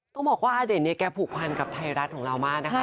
ต้องบอกว่าอเด่นเนี่ยแกผูกพันกับไทยรัฐของเรามากนะคะ